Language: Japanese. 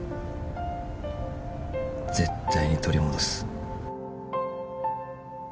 絶対に取り戻す